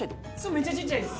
めっちゃちっちゃいです。